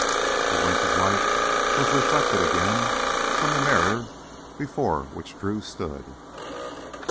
The wink of light was reflected again from the mirror before which Drew stood.